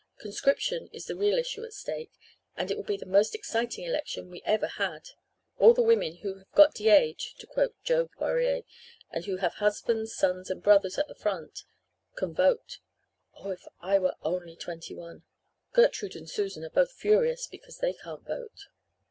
Conscription is the real issue at stake and it will be the most exciting election we ever had. All the women 'who have got de age' to quote Jo Poirier, and who have husbands, sons, and brothers at the front, can vote. Oh, if I were only twenty one! Gertrude and Susan are both furious because they can't vote.